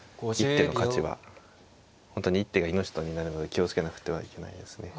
本当に一手が命取りになるので気を付けなくてはいけないですね。